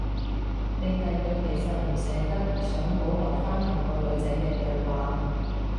定係佢其實唔捨得，想保留返同個女仔嘅對話